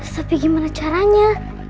tapi gimana caranya